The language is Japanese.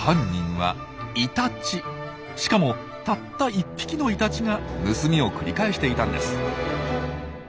しかもたった１匹のイタチが盗みを繰り返していたんです。